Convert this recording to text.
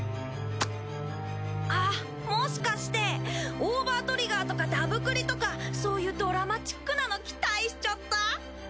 あっもしかしてオーバートリガーとかダブクリとかそういうドラマチックなの期待しちゃった？